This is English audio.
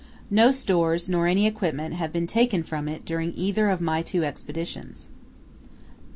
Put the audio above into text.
No stores nor any equipment have been taken from it during either of my two Expeditions.